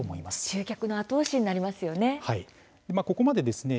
集客の後押しになりますよね。